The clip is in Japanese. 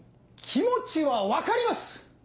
気持ちは分かります！